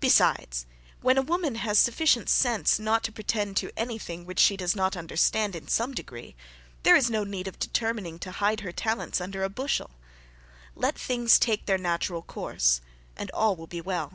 Besides, when a woman has sufficient sense not to pretend to any thing which she does not understand in some degree, there is no need of determining to hide her talents under a bushel. Let things take their natural course, and all will be well.